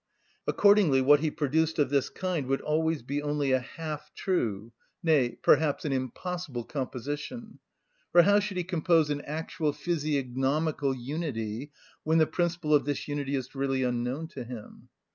Accordingly what he produced of this kind would always be only a half true, nay, perhaps an impossible composition; for how should he compose an actual physiognomical unity when the principle of this unity is really unknown to him?